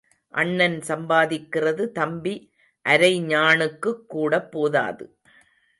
அண்ணன் சம்பாதிக்கிறது தம்பி அரைஞாணுக்குக் கூடப் போதாது.